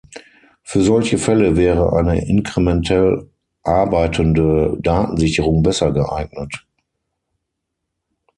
Für solche Fälle wäre eine inkrementell arbeitende Datensicherung besser geeignet.